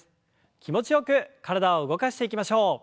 気持ちよく体を動かしていきましょう。